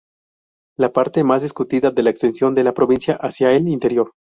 La parte más discutida es la extensión de la provincia hacia el interior.